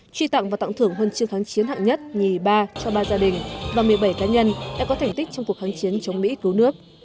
truy tặng và tặng thưởng huân chương kháng chiến hạng nhất nhì ba cho ba gia đình và một mươi bảy cá nhân đã có thành tích trong cuộc kháng chiến chống mỹ cứu nước